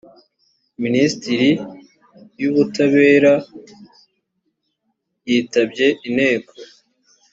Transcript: minisiteri y’ubutabera yitabye inteko